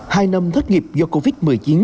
hai năm thất nghiệp do covid một mươi chín